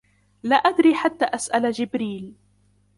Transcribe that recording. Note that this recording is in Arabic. لَا أَدْرِي حَتَّى أَسْأَلَ جِبْرِيلَ